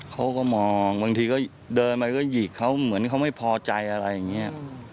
เขาก็มองบางทีก็เดินไปก็หยิกเขาเหมือนเขาไม่พอใจอะไรอย่างนี้